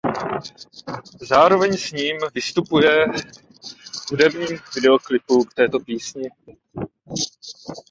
Zároveň s ním vystupuje v hudebním videoklipu k této písni.